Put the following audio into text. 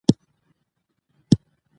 بې شماره √ بې شمېره